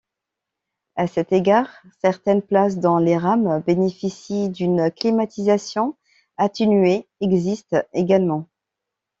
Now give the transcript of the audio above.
A cet égard, certaines places dans les rames bénéficient d'une climatisation atténuée existent également.